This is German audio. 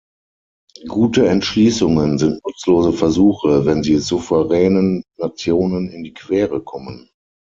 Gute Entschließungen sind nutzlose Versuche, wenn sie souveränen Nationen in die Quere kommen.